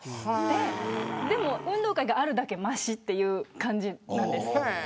でも運動会があるだけましという感じなんです。